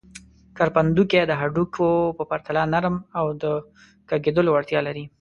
کرپندوکي د هډوکو په پرتله نرم او د کږېدلو وړتیا لري.